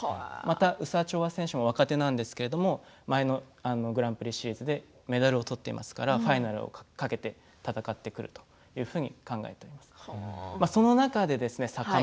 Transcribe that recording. ウサチョワ選手も若手なんですけれども前のオリンピックでメダルを取っていますからファイナルを懸けて戦ってくると考えています。